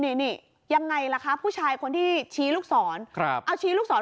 นี่นี่ยังไงล่ะคะผู้ชายคนที่ชี้ลูกศรครับเอาชี้ลูกศร